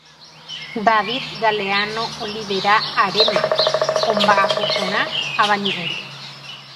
David Galeano Olivera aréma ombaʼapo porã avañeʼẽre.